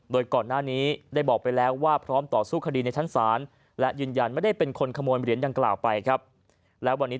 โดยก่อนหน้านี้ได้บอกไปแล้วว่าพร้อมต่อสู้คดีในชั้นศาล